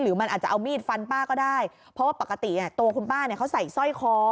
มันอาจจะเอามีดฟันป้าก็ได้เพราะว่าปกติตัวคุณป้าเนี่ยเขาใส่สร้อยคอ